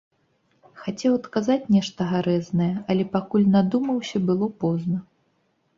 Хацеў адказаць нешта гарэзнае, але, пакуль надумаўся, было позна.